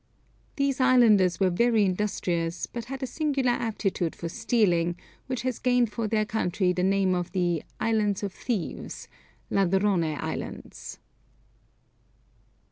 These islanders were very industrious, but had a singular aptitude for stealing, which has gained for their country the name of the Islands of Thieves (Ladrone Islands).